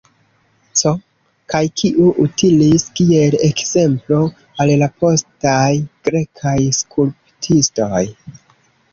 C. Kaj kiu utilis kiel ekzemplo al la postaj grekaj skulptistoj.